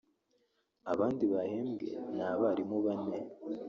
Abandi bahembwe ni abarimu bane